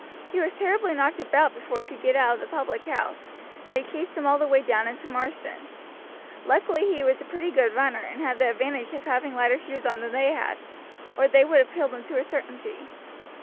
He was terribly knocked about before he could get out of the public house, and they chased him all the way down into Marsden. Luckily he was a pretty good runner, and had the advantage of having lighter shoes on than they had, or they would have killed him to a certainty.